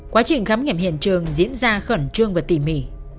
quá trình khám nghiệm hiện trường diễn ra khẩn trương và tỉ mỉ